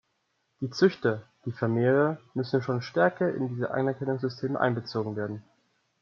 Die Züchter, die Vermehrer müssen schon stärker in dieses Anerkennungssystem einbezogen werden.